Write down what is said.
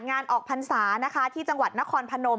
งานออกพันษาที่จังหวัดนครพนม